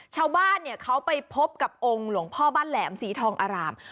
ชาวบ้านเขาไปพบกับองค์หลวงพ่อบ้านแหลมสีทองอาราม